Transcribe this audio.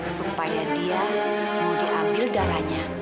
supaya dia mau diambil darahnya